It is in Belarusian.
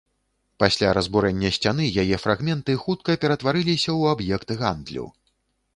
Пасля разбурэння сцяны яе фрагменты хутка ператварыліся ў аб'ект гандлю.